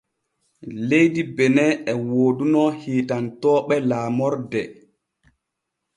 Leydi Benin e wooduno hiitantonooɓe laamorde.